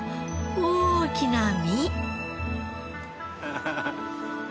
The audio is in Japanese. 大きな身。